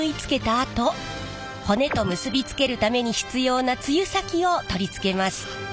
あと骨と結び付けるために必要な露先を取り付けます。